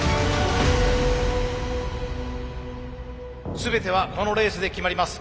全てはこのレースで決まります。